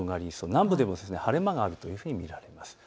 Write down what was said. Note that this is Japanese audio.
南部でも晴れ間があるというふうに見られます。